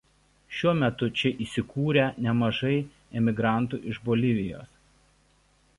Šiuo metu čia įsikūrę nemažai imigrantų iš Bolivijos.